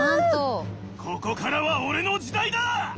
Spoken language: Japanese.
ここからは俺の時代だ！